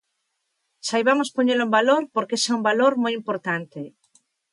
Saibamos poñelo en valor porque ese é un valor moi importante.